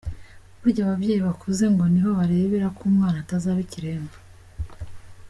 Burya ababyeyi bakuze ngo niho barebera ko umwana atazaba ikiremba.